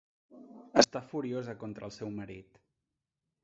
Està furiosa contra el seu marit.